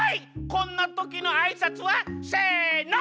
こんなときのあいさつは？せの！